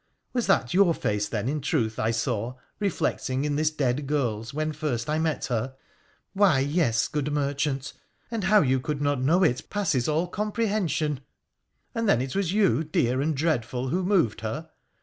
— was that your face, then, in truth I saw, reflecting in this dead girl's when first I met her ?'' Why, yes, good merchant. And how you could not know it passes all comprehension.' ' And then it was you, dear and dreadful, who moved her?